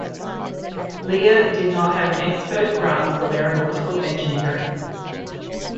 Lear did not have an expert grasp of aeronautical engineering.